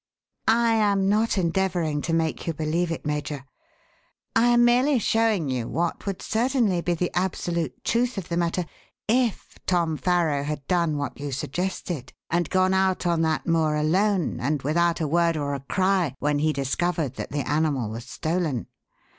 "I am not endeavouring to make you believe it, Major. I am merely showing you what would certainly be the absolute truth of the matter if Tom Farrow had done what you suggested, and gone out on that moor alone and without a word or a cry when he discovered that the animal was stolen.